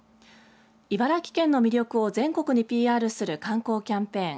茨城県の魅力を全国にＰＲする観光キャンペーン